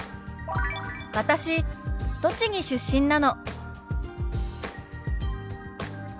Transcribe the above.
「私栃木出身なの」。